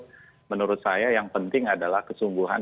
dan itu juga menurut saya yang penting adalah kesungguhan